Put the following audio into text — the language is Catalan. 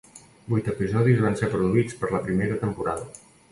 Vuit episodis van ser produïts per la primera temporada.